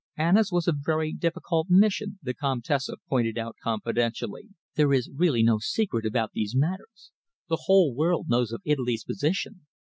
"Anna's was a very difficult mission," the Comtesse pointed out confidentially. "There is really no secret about these matters. The whole world knows of Italy's position.